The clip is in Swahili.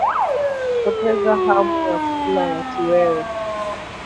Kupoteza hamu ya kula na kiwewe